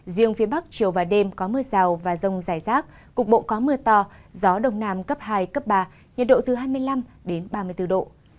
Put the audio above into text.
riêng phía bắc chiều và đêm có mưa rào và rông dài rác cục bộ có mưa to gió đông nam cấp hai cấp ba nhiệt độ từ hai mươi năm ba mươi bốn độ